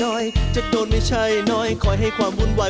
ดูแล้วคงไม่รอดเพราะเราคู่กัน